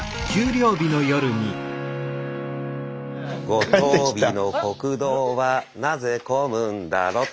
五十日の国道はなぜ混むんだろと。